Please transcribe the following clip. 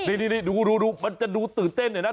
นี่นี่นี่ดูดูดูมันจะดูตื่นเต้นเนี่ยน่ะ